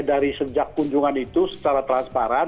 dari sejak kunjungan itu secara transparan